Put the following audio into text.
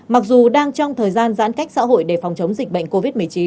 mặc dù đang trong thời gian giãn cách xã hội để phòng chống dịch bệnh covid một mươi chín